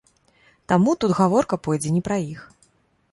Таму тут гаворка пойдзе не пра іх.